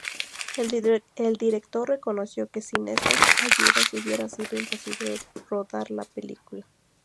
El director reconoció que sin estas ayuda hubiera sido imposible rodar la película.